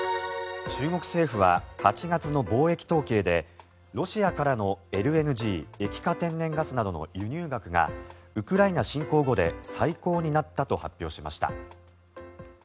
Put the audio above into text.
中国政府は８月の貿易統計でロシアからのＬＮＧ・液化天然ガスなどの輸入額がウクライナ侵攻後で最高になったと発表しました。